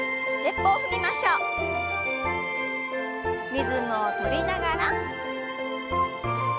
リズムを取りながら。